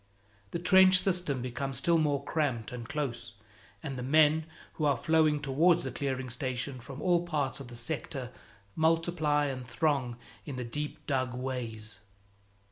The trench system becomes still more cramped and close, and the men who are flowing towards the clearing station from all parts of the sector multiply and throng in the deep dug ways.